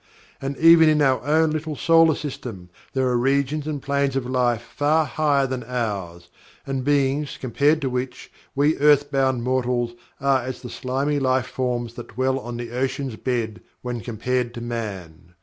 And even in our own little solar system there are regions and planes of life far higher than ours, and beings compared to which we earth bound mortals are as the slimy life forms that dwell on the ocean's bed when compared to Man.